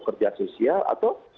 kerja sosial atau